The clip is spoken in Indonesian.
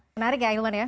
menarik ya ahilman ya